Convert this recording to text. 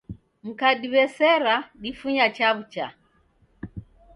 Mkadiw'esera difunya chaw'ucha